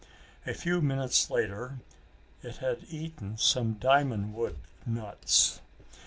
A few minutes later it had eaten some diamond wood nuts.